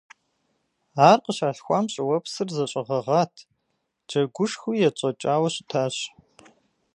Ар къыщалъхуам, щӀыуэпсыр зэщӀэгъэгъат, джэгушхуи етщӀэкӀауэ щытащ.